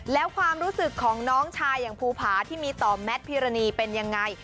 แล้วความรู้สึกของน้องชายอย่างภูผาที่มีต่อแมทพิรณีเป็นยังไง